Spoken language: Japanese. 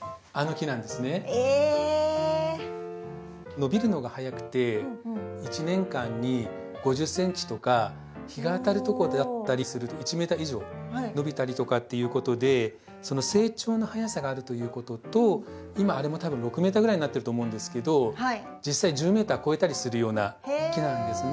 伸びるのがはやくて１年間に５０ｃｍとか日が当たるとこだったりすると１ｍ以上伸びたりとかっていうことでその成長のはやさがあるということと今あれも多分６ｍぐらいになってると思うんですけど実際１０ｍ超えたりするような木なんですね。